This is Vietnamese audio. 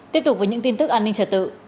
tiếp tục với những tin tức an ninh trật tự